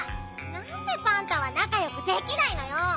なんでパンタはなかよくできないのよ！